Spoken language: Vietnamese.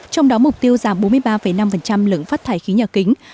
trong đó mục tiêu giảm bốn mươi ba năm lượng phát thải khí nhà kính